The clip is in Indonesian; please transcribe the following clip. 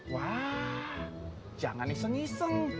wah jangan iseng iseng